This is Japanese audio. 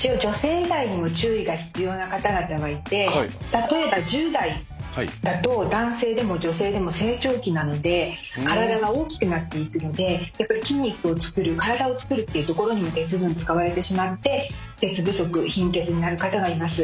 例えば１０代だと男性でも女性でも成長期なので体が大きくなっていくのでやっぱり筋肉を作る体を作るっていうところにも鉄分使われてしまって鉄不足貧血になる方がいます。